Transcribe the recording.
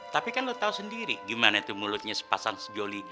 tapi kan lo tahu sendiri gimana itu mulutnya sepasang sejoli